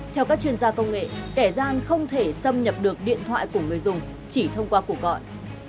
theo các chuyên gia công nghệ kẻ gian không thể xâm nhập được điện thoại của người dùng chỉ thông qua cuộc gọi